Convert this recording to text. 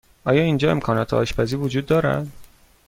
آیا اینجا امکانات آشپزی وجود دارد؟